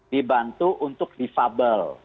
dibantu untuk defable